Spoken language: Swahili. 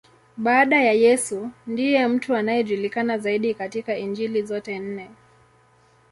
Baada ya Yesu, ndiye mtu anayejulikana zaidi katika Injili zote nne.